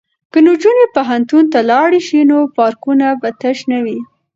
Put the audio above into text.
که نجونې پوهنتون ته لاړې شي نو پارکونه به تش نه وي.